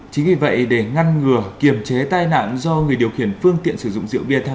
chính vì vậy để ngăn ngừa kiềm chế tai nạn do người điều khiển phương tiện sử dụng rượu bia